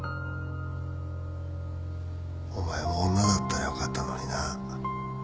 お前も女だったらよかったのにな